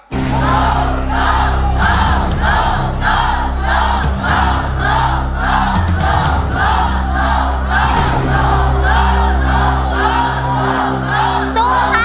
สู้ค่ะ